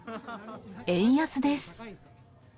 円安です。